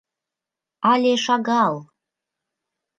— Але шагал.